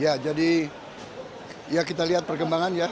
ya jadi ya kita lihat perkembangan ya